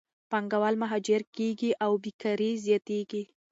پانګهوال مهاجر کېږي او بیکارۍ زیاتېږي.